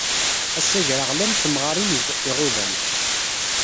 Ass agraɣlan n temɣarin iɣudan!